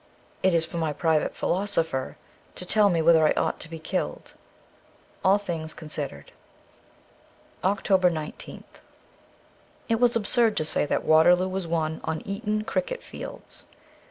It is for my private philosopher to tell me whether I ought to be killed. 'Jll Things Considered.' 324 OCTOBER 19th IT was absurd to say that Waterloo was won on Eton cricket fields.